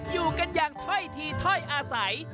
อยู่กันอย่างถ้อยทีถ้อยอาศัย